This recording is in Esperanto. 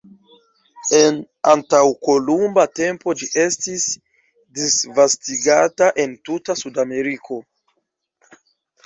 En antaŭkolumba tempo ĝi estis disvastigata en tuta Sudameriko.